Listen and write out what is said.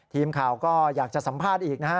ทีมข่าวก็อยากจะสัมภาษณ์อีกนะฮะ